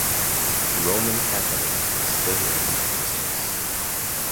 Roman Catholic is still in existence.